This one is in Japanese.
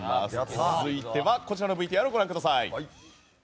続いてはこちらのＶＴＲをご覧ください。